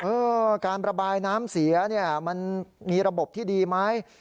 เออการระบายน้ำเสียเนี่ยมันมีระบบที่ดีไหม